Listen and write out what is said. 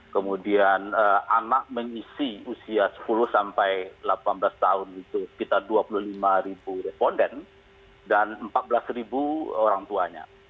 kemudian anak mengisi usia sepuluh sampai delapan belas tahun itu sekitar dua puluh lima ribu responden dan empat belas orang tuanya